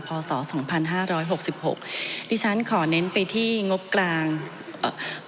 พศสองพันห้าร้อยหกสิบหกดิฉันขอเน้นไปที่งบกลางเอ่อ